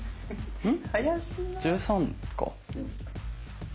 うん。